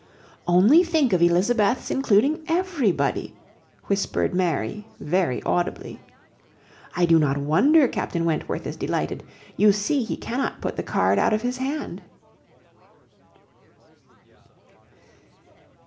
"Only think of Elizabeth's including everybody!" whispered Mary very audibly. "I do not wonder Captain Wentworth is delighted! You see he cannot put the card out of his hand."